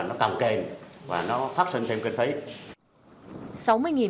nó cầm kềm và nó phát sinh thêm kinh phí